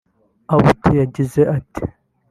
Abdul yagize ati